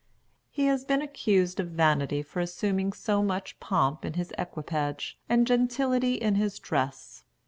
He has been accused of vanity for assuming so much pomp in his equipage and gentility in his dress.